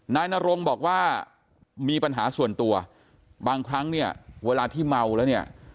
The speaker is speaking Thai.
นายนรงบอกว่ามีปัญหาส่วนตัวบางครั้งเนี่ยเวลาที่เมาแล้วเนี่ย